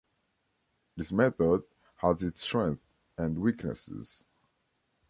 This method has its strengths and weaknesses.